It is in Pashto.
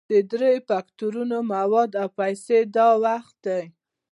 دا درې فکتورونه مواد او پیسې او وخت دي.